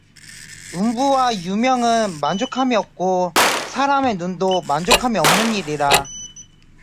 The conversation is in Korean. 음부와 유명은 만족함이 없고 사람의 눈도 만족함이 없느니라